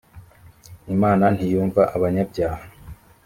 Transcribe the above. imana ntiyumva abanyabyaha